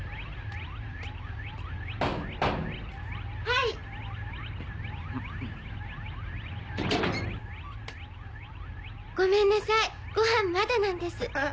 ・はい・ごめんなさいごはんまだなんです。